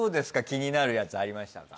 気になるやつありましたか？